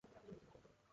এ team আক্রমণ করবে না।